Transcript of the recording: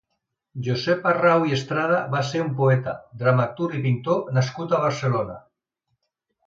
Josep Arrau i Estrada va ser un poeta, dramaturg i pintor nascut a Barcelona.